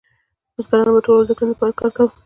بزګرانو به ټوله ورځ د کرنې لپاره کار کاوه.